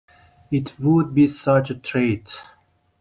It would be such a treat!